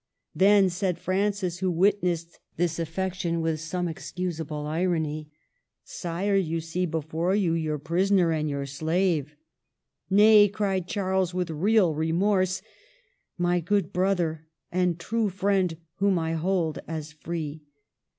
Then said Francis, who witnessed this affec tion with some excusable irony, " Sire, you see before you your prisoner and your slave !"Nay," cried Charles, with real remorse, '* my good brother and true friend whom I hold as free